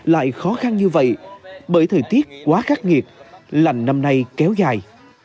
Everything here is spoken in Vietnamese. lại khó khăn như vậy bởi thời tiết quá khắc nghiệt lành năm nay kéo dài